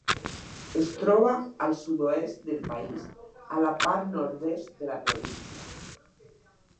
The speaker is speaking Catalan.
Es troba al sud-oest del país, a la part nord-est de la província.